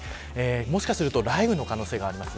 もしかすると雷雨の可能性があります。